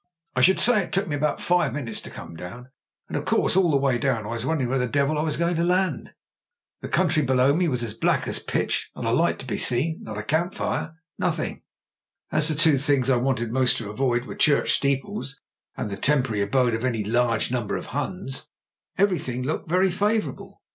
I should say it took me about five min utes to come down; and of course all the way down I was wondering where the devil I was going to land. The country below me was black as pitch : not a light to be seen — not a camp fire — ^nothing. As the two things I wanted most to avoid were church steeples and the temporary abode of any large number of Huns, everything looked very favourable.